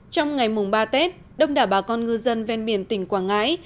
trong ngày mùng ba tết đông đảo bà con ngư dân ven biển tỉnh quảng ngãi